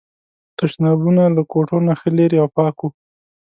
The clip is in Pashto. تشنابونه له کوټو نه ښه لرې او پاک وو.